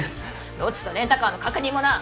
ロッジとレンタカーの確認もな！